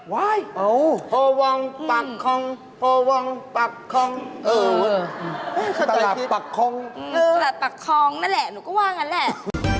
ไว้โพวงปากคลองโพวงปากคลองตลาดปากคลองตลาดปากคลองนั่นแหละหนูก็ว่างั้นแหละ